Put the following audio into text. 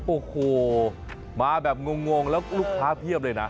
โอ้โหมาแบบงงแล้วลูกค้าเพียบเลยนะ